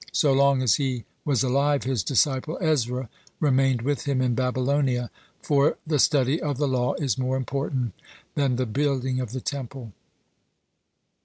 So long as he was alive, his disciple Ezra remained with him in Babylonia, for "the study of the law is more important than the building of the Temple."